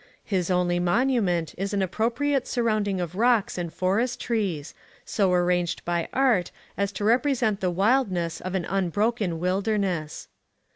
His only monument is an appropriate surround ing of rocks and forest trees, so arranged by art as to represent the wildness of an unbroken wilderness.